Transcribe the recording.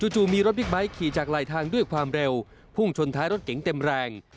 จู่มีรถบิ๊กไบท์ขี่จากลายทางด้วยความเร็วพุ่งชนท้ายรถเก๋งเต็มแรง